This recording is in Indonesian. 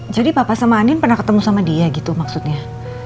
jadi papa sama andin pernah ketemu sama dia gitu maksudnya